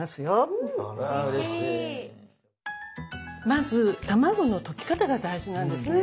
まず卵の溶き方が大事なんですね。